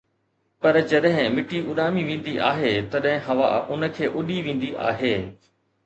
پر جڏهن مٽي اُڏامي ويندي آهي، تڏهن هوا ان کي اُڏي ويندي آهي